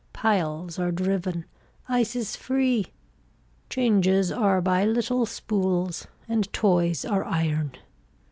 Piles are driven. Ice is free. Changes are by little spools, and toys are iron.